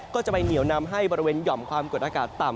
ก็จะไปเหนียวนำให้บริเวณหย่อมความกดอากาศต่ำ